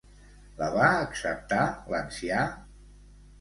La va acceptar l'ancià?